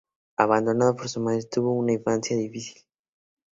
Abandonado por su madre, tuvo una infancia difícil.